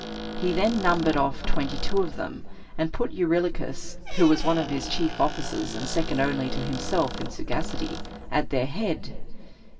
He then numbered off twenty two of them, and put Eurylochus (who was one of his chief officers, and second only to himself in sagacity) at their head.